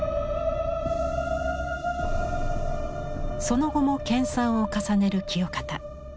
その後も研鑽を重ねる清方。